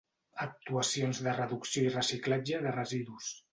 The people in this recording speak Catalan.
Actuacions de reducció i reciclatge de residus.